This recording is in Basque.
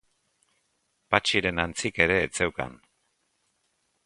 Patxiren antzik ere ez zeukan.